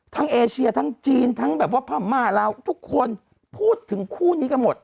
เอเชียทั้งจีนทั้งแบบว่าพม่าลาวทุกคนพูดถึงคู่นี้กันหมด